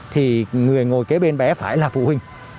thì người ngồi kế bên bé phải là phụ huynh